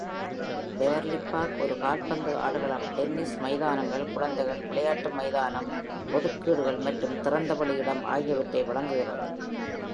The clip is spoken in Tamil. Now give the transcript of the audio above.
பெவர்லி பார்க் ஒரு கால்பந்து ஆடுகளம், டென்னிஸ் மைதானங்கள், குழந்தைகள் விளையாட்டு மைதானம், ஒதுக்கீடுகள் மற்றும் திறந்தவெளி இடம் ஆகியவற்றை வழங்குகிறது.